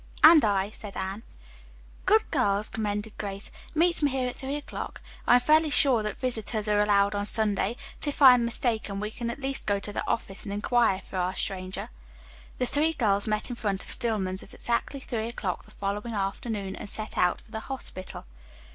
"And I," said Anne. "Good girls," commended Grace. "Meet me here at three o'clock. I am fairly sure that visitors are allowed on Sunday, but if I am mistaken we can at least go to the office and inquire for our stranger." The three girls met in front of Stillman's at exactly three o'clock the following afternoon, and set out for the hospital.